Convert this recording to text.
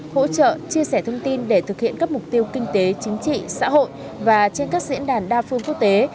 hỗ trợ chia sẻ thông tin để thực hiện các mục tiêu kinh tế chính trị xã hội và trên các diễn đàn đa phương quốc tế